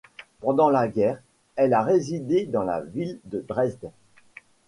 Pendant la guerre, elle a résidé dans la ville de Dresde.